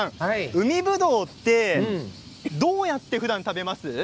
海ぶどうってどうやってふだん食べますか？